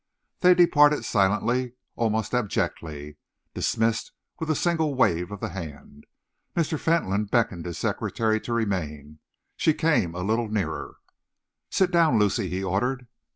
They departed silently, almost abjectly, dismissed with a single wave of the hand. Mr. Fentolin beckoned his secretary to remain. She came a little nearer. "Sit down, Lucy," he ordered.